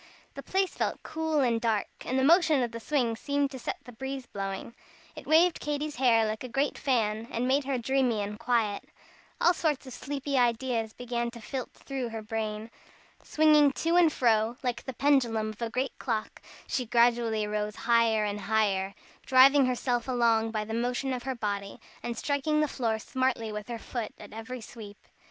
The place felt cool and dark, and the motion of the swing seemed to set the breeze blowing. It waved Katy's hair like a great fan, and made her dreamy and quiet. All sorts of sleepy ideas began to flit through her brain. Swinging to and fro like the pendulum of a great clock, she gradually rose higher and higher, driving herself along by the motion of her body, and striking the floor smartly with her foot, at every sweep.